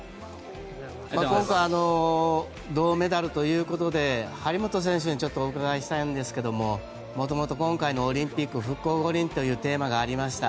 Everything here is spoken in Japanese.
今回、銅メダルということで張本選手にお伺いしたいんですが元々、今回のオリンピック復興五輪というテーマがありました。